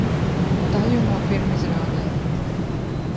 Daļu no pirmizrādēm.